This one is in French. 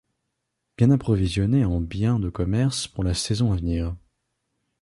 Bien approvisionné en biens de commerce pour la saison à venir.